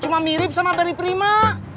mirip sama beri prima